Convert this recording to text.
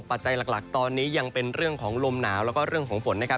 ปัจจัยหลักตอนนี้ยังเป็นเรื่องของลมหนาวแล้วก็เรื่องของฝนนะครับ